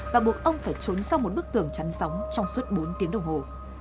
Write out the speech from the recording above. và buộc ông phải trốn sau một bức tường chắn sóng trong suốt bốn tiếng đồng hồ